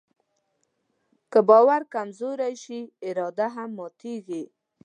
که باور کمزوری شي، اراده هم ماتيږي.